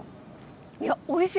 いやおいしい。